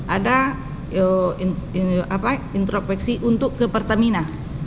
ada intropeksi untuk ke pertamina